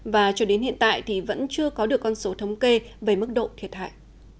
và cho đến hiện tại thì vẫn chưa có được con số thống kê về mức độ thiệt hại